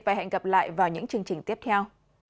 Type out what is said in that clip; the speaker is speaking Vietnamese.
và hẹn gặp lại vào những chương trình tiếp theo